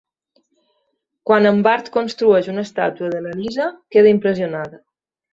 Quan en Bart construeix una estàtua de la Lisa, queda impressionada.